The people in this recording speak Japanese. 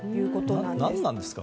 何なんですか？